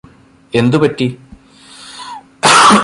എന്തു പറ്റി